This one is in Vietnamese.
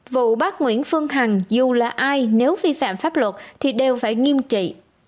vụ bác nguyễn phương hằng dù là ai nếu vi phạm pháp luật thì đều phải nghiêm trị